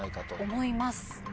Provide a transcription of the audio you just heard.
思います。